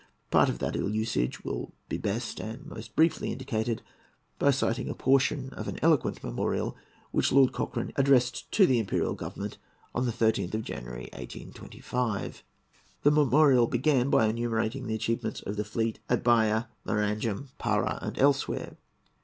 Part of that ill usage will be best and most briefly indicated by citing a portion of an eloquent memorial which Lord Cochrane addressed to the Imperial Government on the 30th of January, 1825. The memorial began by enumerating the achievements of the fleet at Bahia, Maranham, Parà, and elsewhere.